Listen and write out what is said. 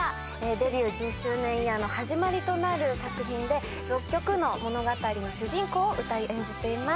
デビュー１０周年イヤーの始まりとなる作品で６曲の物語の主人公を歌い演じています